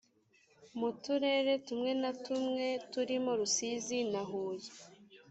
mu turere tumwe na tumwe turimo rusizi na huye